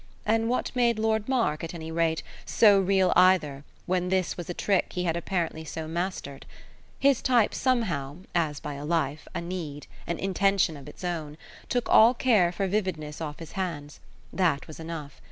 And what made Lord Mark, at any rate, so real either, when this was a trick he had apparently so mastered? His type somehow, as by a life, a need, an intention of its own, took all care for vividness off his hands; that was enough.